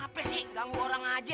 apa sih ganggu orang aja